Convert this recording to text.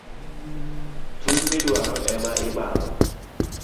Chuny midwaro ema ibango